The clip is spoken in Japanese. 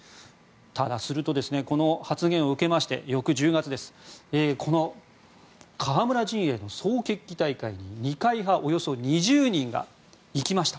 ただ、すると、この発言を受けて翌１０月、この河村陣営の総決起大会に二階派およそ２０人が行きました。